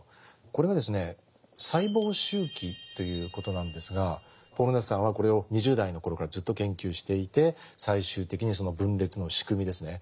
これがですね細胞周期ということなんですがポール・ナースさんはこれを２０代の頃からずっと研究していて最終的にその分裂の仕組みですね。